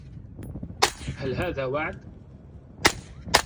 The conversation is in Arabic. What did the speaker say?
هل هذا وعد؟